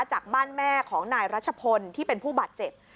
จากบ้านแม่ของนายรัชพลที่เป็นผู้บาดเจ็บ